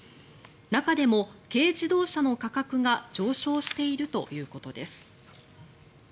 中でも軽自動車の価格が上昇しているということです。